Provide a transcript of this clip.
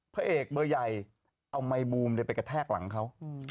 พระเอกเบอร์ใหญ่เอาไมบูมไปกระแทกหลังเขา